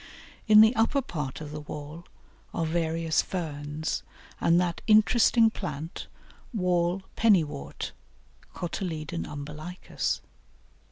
In the upper part of the wall are various Ferns, and that interesting plant, Wall Pennywort (Cotyledon umbilicus).